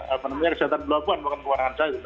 apa namanya kesehatan pelabuhan bukan kewenangan saya